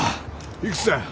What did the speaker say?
いくつだよ。